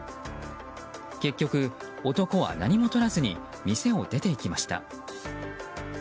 結局、男は何もとらずに店を出て行きました。